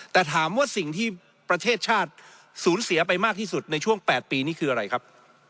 แต่ถามว่าสิ่งที่ประเทศชาติสูญเสียไปมากที่สุดในช่วง๘ปีนี้คืออะไรครับ